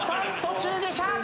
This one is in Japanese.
途中下車！